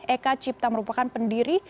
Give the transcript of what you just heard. eka cipta merupakan pendiri